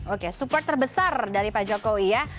oke support terbesar dari pak jokowi ya